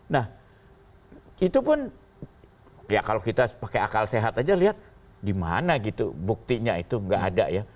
nah itu pun ya kalau kita pakai akal sehat aja lihat di mana gitu buktinya itu nggak ada ya